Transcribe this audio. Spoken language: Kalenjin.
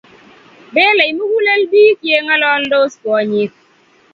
Belei mugulel bik yengololdos kwonyik